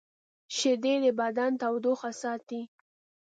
شیدې د بدن تودوخه ساتي